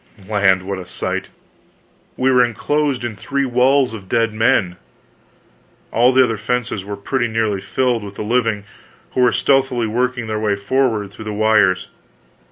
Land, what a sight! We were enclosed in three walls of dead men! All the other fences were pretty nearly filled with the living, who were stealthily working their way forward through the wires.